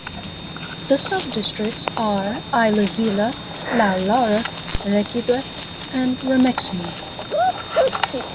The subdistricts are Aileu Vila, Laulara, Lequidoe and Remexio.